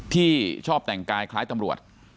ที่ชอบแต่งกายคล้ายตำรวจ